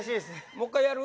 もう一回やる？